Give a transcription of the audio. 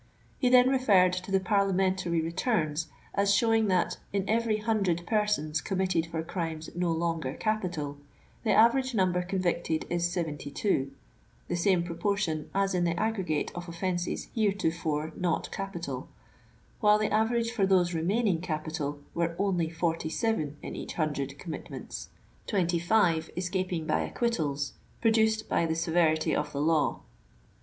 He then referred to the Parlia mentary returns as showing that *^ in every hundred persons committed for crimes no longer capital, the average number convicted is seventy two^ the same proportion as in the aggre gate of offenses heretofore not capital, while the average for those remaining capital were ofdy forty seven in each hundred commitments, — twenty five escaping by acquittals, produced by the severity of the law."